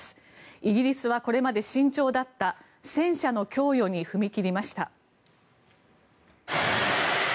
イギリスはこれまで慎重だった戦車の供与に踏み切りました。